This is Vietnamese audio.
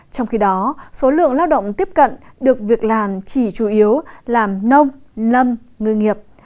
trong khi đó số lượng lao động tiếp cận được việc làm chỉ chủ yếu làm nông lâm ngư nghiệp